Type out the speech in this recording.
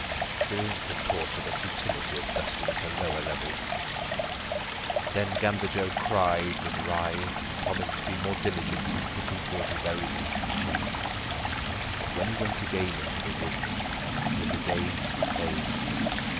Experience had taught her the futility of dusting at a lower level. Then Gander Joe cried and writhed, and promised to be more diligent in picking whortleberries in future. But when he went again into the wood it was again the same.